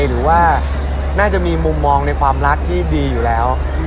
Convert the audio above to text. หรือว่าน่าจะมีมุมมองในความรักที่ดีอยู่แล้ว